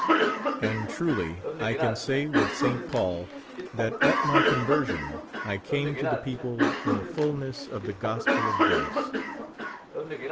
'' And truly, T can say with St. Paul, that at m}' con version I came to the people in the fullness of the gospel of grace.